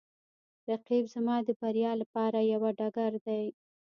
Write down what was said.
رقیب زما د بریا لپاره یوه ډګر دی